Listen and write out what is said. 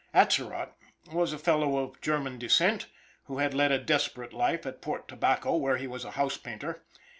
Atzerott was a fellow of German descent, who had led a desperate life at Port Tobacco, where he was a house painter.